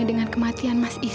dengan lihat dua langit